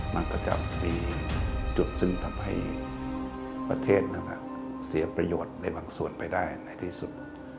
มันก็จะมีจุดซึ่งทำให้ประเทศนั้นเสียประโยชน์ในบางส่วนไปได้ในที่สุด